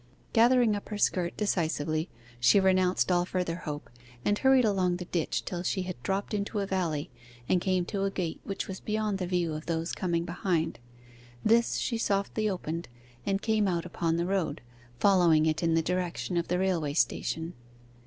Gathering up her skirt decisively she renounced all further hope, and hurried along the ditch till she had dropped into a valley, and came to a gate which was beyond the view of those coming behind. This she softly opened, and came out upon the road, following it in the direction of the railway station.